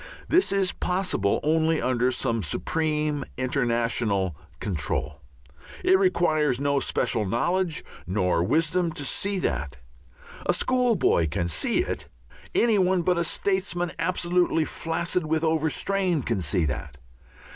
This is possible only under some supreme international control. It requires no special knowledge nor wisdom to see that. A schoolboy can see it. Any one but a statesman absolutely flaccid with overstrain can see that.